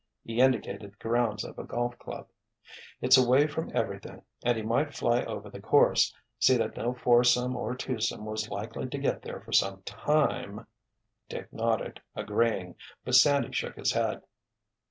He indicated the grounds of a golf club. "It's away from everything, and he might fly over the course, see that no foursome or twosome was likely to get there for some time—" Dick nodded, agreeing; but Sandy shook his head.